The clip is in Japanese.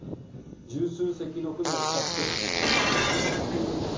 １０数隻の船を使ってソナーで探索しているんです。